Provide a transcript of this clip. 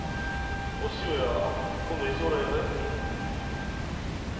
お父上は今度いつごろ江戸へ？